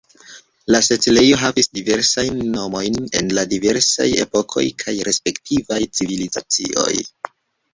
La setlejo havis diversajn nomojn en la diversaj epokoj kaj respektivaj civilizacioj.